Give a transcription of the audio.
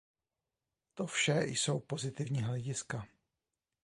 To vše jsou pozitivní hlediska.